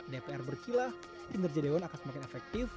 dpr berkilah kinerja dewan akan semakin efektif